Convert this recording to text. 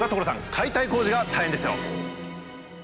解体工事が大変ですよ。